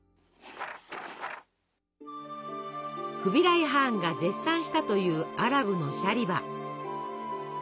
フビライ・ハーンが絶賛したというアラブのシャリバ。